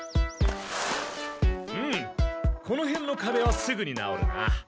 うんこのへんのかべはすぐに直るな。